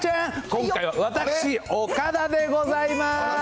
今回は私、岡田でございます。